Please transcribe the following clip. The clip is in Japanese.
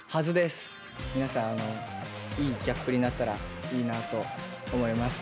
皆さんいいギャップになったらいいなと思います。